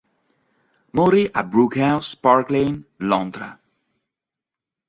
Morì a Brook House, Park Lane, Londra.